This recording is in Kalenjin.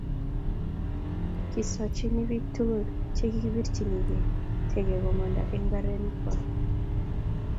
kisochini biik tugul che kikibirchi tege komanda eng' mbarenikwak